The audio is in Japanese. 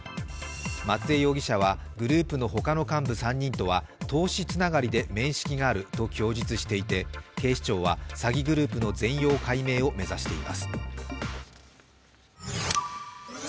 松江容疑者は、グループの他の幹部３人とは投資つながりで面識があると供述していて警視庁は詐欺グループの全容解明を目指しています。